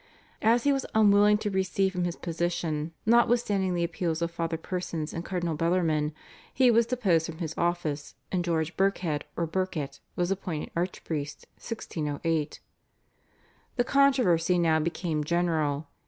As he was unwilling to recede from his position notwithstanding the appeals of Father Persons and Cardinal Bellarmine, he was deposed from his office and George Birkhead or Birket was appointed archpriest (1608). The controversy now became general.